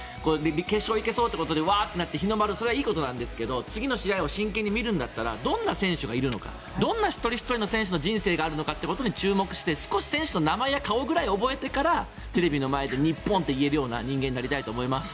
決勝行けそうということでわー！ってなってそれはいいことなんですけど次の試合を真剣に見るんだったらどんな選手がいるのかどんな一人ひとりの選手の人生があるのかということに注目して少し選手の名前や顔を覚えてからテレビの前で日本！って言えるような人間になりたいと思います。